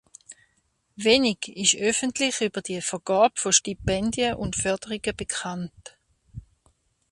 Wenig ist öffentlich über die Vergabe von Stipendien und Förderungen bekannt.